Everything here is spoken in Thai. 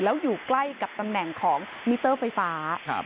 แล้วอยู่ใกล้กับตำแหน่งของมิเตอร์ไฟฟ้า